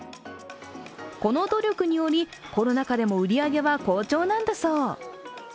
この努力によりコロナ禍でも売り上げは好調なんだそう。